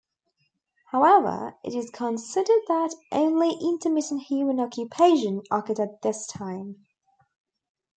However, it is considered that only intermittent human occupation occurred at this time.